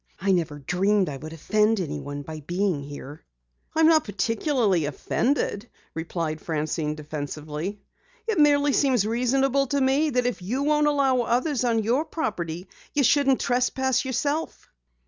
"I never dreamed I would offend anyone by being here." "I'm not particularly offended," replied Francine defensively. "It merely seems reasonable to me that if you won't allow others on your property you shouldn't trespass yourself."